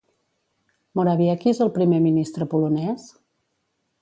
Morawiecki és el primer ministre polonès?